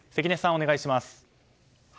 お願いします。